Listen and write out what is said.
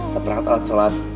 seperhat alat sholat